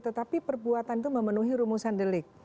tetapi perbuatan itu memenuhi rumusan delik